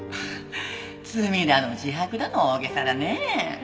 罪だの自白だの大げさだねえ。